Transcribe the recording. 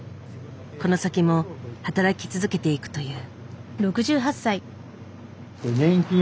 この先も働き続けていくという。